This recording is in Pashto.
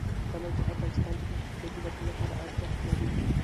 ژمی د افغانستان د اقتصادي ودې لپاره ارزښت لري.